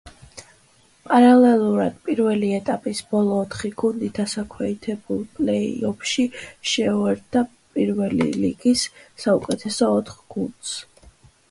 პარალერულად, პირველი ეტაპის ბოლო ოთხი გუნდი დასაქვეითებელ პლეი-ოფში შეუერთდა პირველი ლიგის საუკეთესო ოთხ გუნდს.